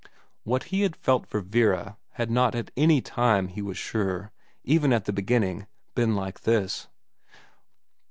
What he had felt for Vera had not at any time, he was sure, even at the beginning, been like this.